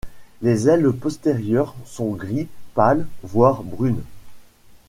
Les ailes postérieures sont gris pâle voire brunes.